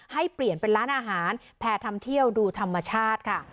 ให้เปลี่ยนเป็นร้านอาหารแพร่ทำเที่ยวดูธรรมชาติค่ะ